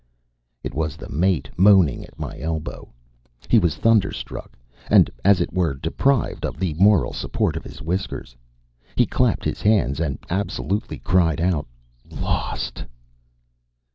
It was the mate moaning at my elbow. He was thunderstruck, and as it were deprived of the moral support of his whiskers. He clapped his hands and absolutely cried out, "Lost!"